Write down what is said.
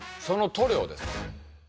その塗料でしょ。